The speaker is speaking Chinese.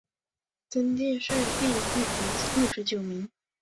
殿试登进士第三甲第一百六十九名。